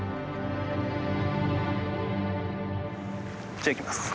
じゃあ行きます。